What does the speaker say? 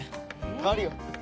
代わるよ。